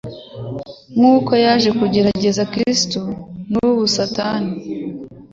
Nk’uko yaje kugerageza Kristo, na n’ubu Satani